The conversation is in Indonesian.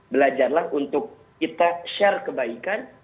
belajarlah untuk kita share kebaikan